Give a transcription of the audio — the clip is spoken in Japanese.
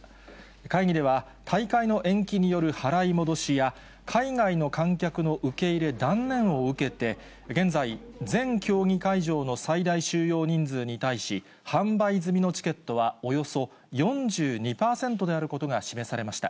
会議では、大会の延期による払い戻しや、海外の観客の受け入れ断念を受けて、現在、全競技会場の最大収容人数に対し、販売済みのチケットはおよそ４２％であることが示されました。